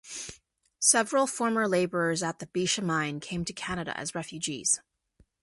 Several former labourers at the Bisha Mine came to Canada as refugees.